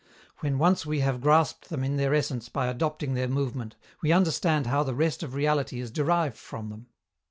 When once we have grasped them in their essence by adopting their movement, we understand how the rest of reality is derived from them.